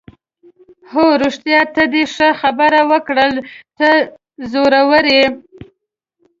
هو رښتیا، ته دې ښه خبره وکړل، ته زړوره یې.